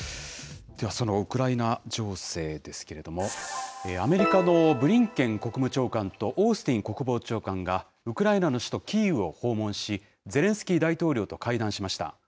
では、そのウクライナ情勢ですけれども、アメリカのブリンケン国務長官とオースティン国防長官がウクライナの首都キーウを訪問し、ゼレンスキー大統領と会談しました。